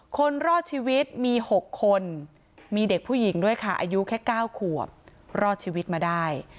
คนรอดชีวิตมี๖คนมีเด็กผู้หญิงด้วยค่ะอายุแค่๙ขวบรอดชีวิตมาได้